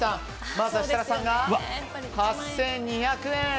まずは設楽さんが８２００円。